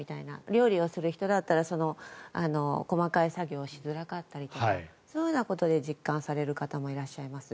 料理をする人だったら細かい作業をしづらかったりとかそういうことで実感される方もいらっしゃいます。